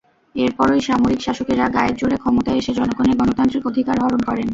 এরপরই সামরিক শাসকেরা গায়ের জোরে ক্ষমতায় এসে জনগণের গণতান্ত্রিক অধিকার হরণ করেন।